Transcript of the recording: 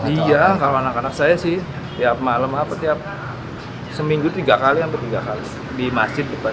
iya kalau anak anak saya sih tiap malam apa tiap seminggu tiga kali hampir tiga kali di masjid depan